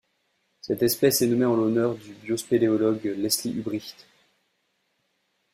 Cette espèce est nommée en l'honneur du biospéléologue Leslie Hubricht.